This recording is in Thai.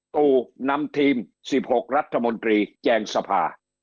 ตู่นำทีม๑๖รัฐมนตรีแจงสภา